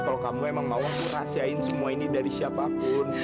kalau kamu emang mau rahasiain semua ini dari siapapun